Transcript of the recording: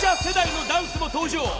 世代のダンスも登場！